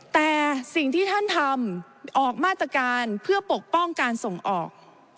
แต่สิ่งที่ท่านทำออกมาตรการเพื่อปกป้องการส่งออก